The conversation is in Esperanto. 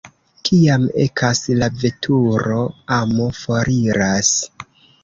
Kiam ekas la veturo, amo foriras.